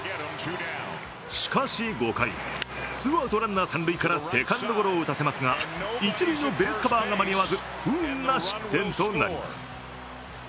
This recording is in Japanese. しかし、５回ツーアウトランナー、三塁からセカンドゴロを打たせますが一塁のベースカバーが間に合わず不運な失点となります。